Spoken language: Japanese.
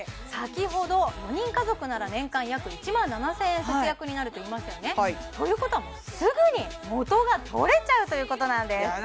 先ほど４人家族なら年間約１万７０００円節約になると言いましたよねということはもうすぐに元が取れちゃうということなんです